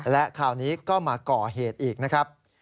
และคราวนี้ก็มาก่อเหตุอีกนะครับ